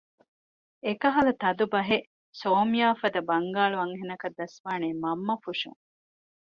އެކަހަލަ ތަދު ބަހެއް ސޯމްޔާ ފަދަ ބަންގާޅު އަންހެނަކަށް ދަސްވާނީ މަންމަ ފުށުން